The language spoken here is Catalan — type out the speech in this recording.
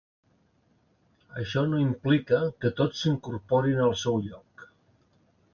Això no implica que tots s’incorporin al seu lloc.